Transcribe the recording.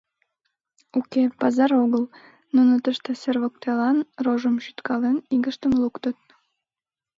Уке, пазар огыл, нуно тыште сер воктелан, рожым шӱткален, игыштым луктыт.